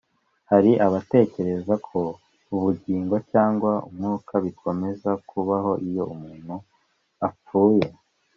Hari abatekereza ko ubugingo cyangwa umwuka bikomeza kubaho iyo umuntu apfuye